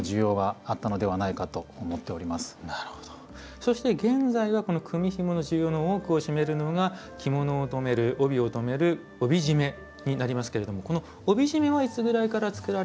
そして現在はこの組みひもの需要の多くを占めるのが着物を留める帯を留める帯締めになりますけれどもこの帯締めはいつぐらいから作られるようになったんですか？